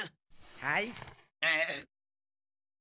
はい。